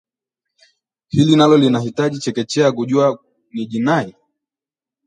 Hili nalo linahitaji chekechea kujua kuwa ni jinai?